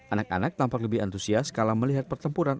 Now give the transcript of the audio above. anak anak tampak lebih antusias kalau melihat pertempuran